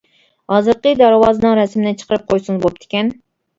ھازىرقى دەرۋازىنىڭ رەسىمىنى چىقىرىپ قويسىڭىز بوپتىكەن.